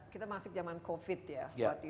kita masih zaman covid ya